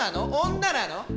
女なの？